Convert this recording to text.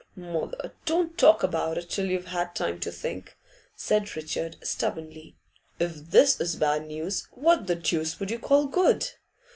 'Mother, don't talk about it till you've had time to think,' said Richard, stubbornly. 'If this is bad news, what the deuce would you call good?